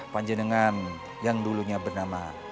panjenengan yang dulunya bernama